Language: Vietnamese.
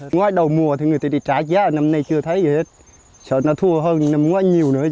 ngoài đầu mùa thì người ta đi trái giá năm nay chưa thấy gì hết sợ nó thua hơn năm ngoái nhiều nữa